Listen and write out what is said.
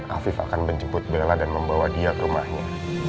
afif akan menjemput bella dan membawa dia ke rumahnya